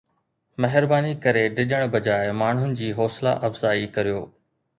مھرباني ڪري ڊڄڻ بجاءِ ماڻھن جي حوصلا افزائي ڪريو